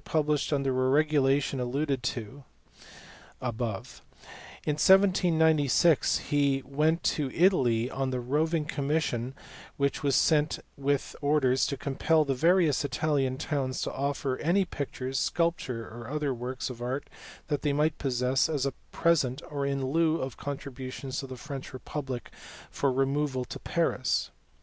In 1796 he went to Italy on the roving commission which was sent with orders to compel the various Italian towns to offer any pictures, sculpture, or other works of art that they might possess as a present or in lieu of contributions to the French republic for removal to Paris.